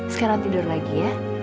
sekarang tidur lagi ya